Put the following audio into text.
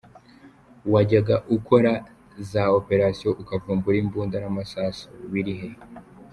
“Wajyaga ukora za operations ukavumbura imbunda n’amasasu, biri he ?”